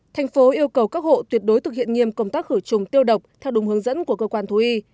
thành phố yêu cầu các hộ tuyệt đối thực hiện nghiêm công tác khử trùng tiêu độc theo đúng hướng dẫn của cơ quan thú y